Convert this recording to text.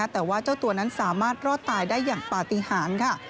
แต่ว่าเจ้าตัวนั้นสามารถรอดตายได้อย่างปฏิหารค่ะ